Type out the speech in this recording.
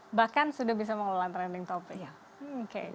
oh bahkan sudah bisa mengelola trending topic